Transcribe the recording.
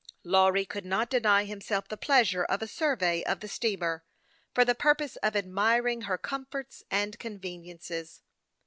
Lawry could not deny himself the pleasure of a survey of the steamer, for the pur pose of admiring her comforts and conveniences.